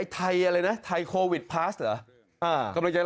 ไทยไทยโควิดพลัสเหรอ